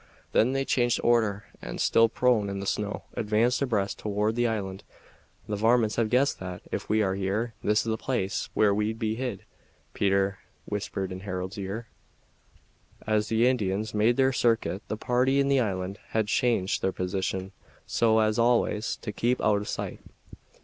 Then they changed order, and, still prone in the snow, advanced abreast toward the island. "The varmints have guessed that, if we are here, this is the place where we'd be hid," Peter whispered in Harold's ear. As the Indians made their circuit the party in the island had changed their position so as always to keep out of sight.